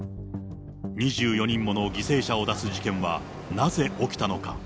２４人もの犠牲者を出す事件はなぜ起きたのか。